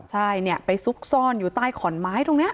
ใช่เนี่ยไปซุกซ่อนอยู่ใต้ขอนไม้ตรงนี้